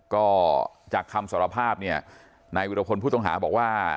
ก็จากคำสารภาพเนี่ยนายวิรพลผู้ต้องหาบอกว่า